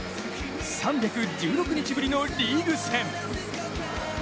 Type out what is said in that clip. ３１６日ぶりのリーグ戦。